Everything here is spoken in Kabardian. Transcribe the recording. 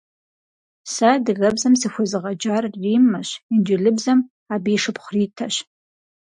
Сэ адыгэбзэм сыхуезыгъэджар Риммэщ, инджылыбзэм - абы и шыпхъу Ритэщ.